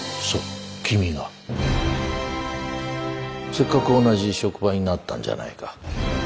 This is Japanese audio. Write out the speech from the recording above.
せっかく同じ職場になったんじゃないか。